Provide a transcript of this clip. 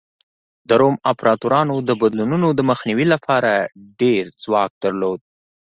د روم امپراتورانو د بدلونونو د مخنیوي لپاره ډېر ځواک درلود